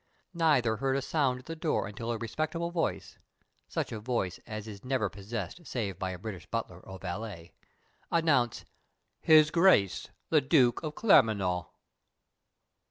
Neither heard a sound at the door until a respectable voice such a voice as is never possessed save by a British butler or valet announced "His Grace the Duke of Claremanagh."